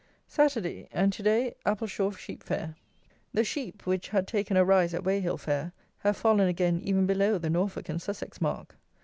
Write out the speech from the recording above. Saturday, and to day Appleshaw sheep fair. The sheep, which had taken a rise at Weyhill fair, have fallen again even below the Norfolk and Sussex mark.